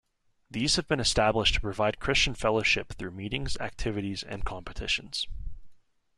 These have been established to provide Christian fellowship through meetings, activities, and competitions.